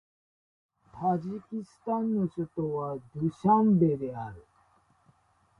タジキスタンの首都はドゥシャンベである